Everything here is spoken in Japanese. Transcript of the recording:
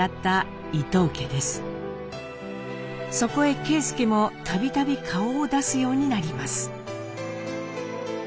そこへ啓介も度々顔を出すようになります。